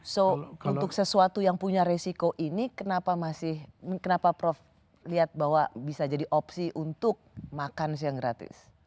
so untuk sesuatu yang punya resiko ini kenapa masih kenapa prof lihat bahwa bisa jadi opsi untuk makan siang gratis